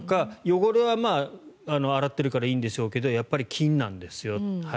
汚れは洗っているからいいんでしょうけどやっぱり菌なんですよ。